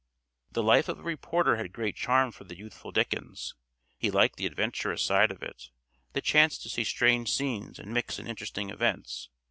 The life of a reporter had great charm for the youthful Dickens. He liked the adventurous side of it, the chance to see strange scenes and mix in interesting events.